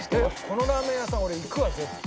このラーメン屋さん俺行くわ絶対。